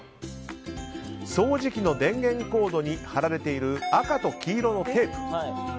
掃除機の電源コードに貼られている赤と黄色のテープ。